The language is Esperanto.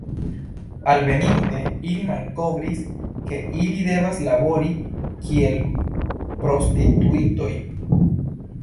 Alveninte, ili malkovris, ke ili devas labori kiel prostituitoj.